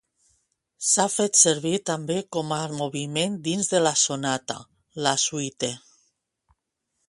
S'ha fet servir també com a moviment dins de la sonata, la suite.